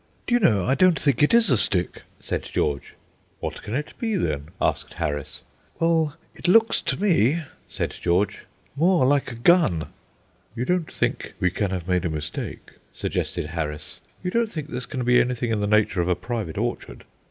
"Do you know, I don't think it is a stick," said George. "What can it be, then?" asked Harris. "Well, it looks to me," said George, "more like a gun." "You don't think we can have made a mistake?" suggested Harris. "You don't think this can be anything in the nature of a private orchard?"